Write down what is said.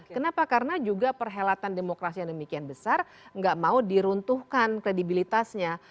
kenapa karena juga perhelatan demokrasi yang demikian besar nggak mau diruntuhkan kredibilitasnya